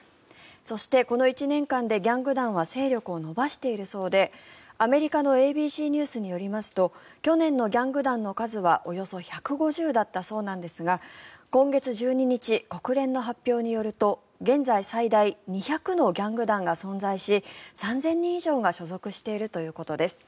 そして、この１年間でギャング団は勢力を伸ばしているそうでアメリカのＡＢＣニュースによりますと去年のギャング団の数はおよそ１５０だったそうですが今月１２日、国連の発表によると現在、最大２００のギャング団が存在し３０００人以上が所属しているということです。